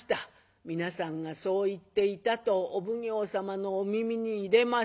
皆さんがそう言っていたとお奉行様のお耳に入れましょう。